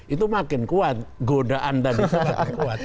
itu makin kuat godaan dari sepakat kuat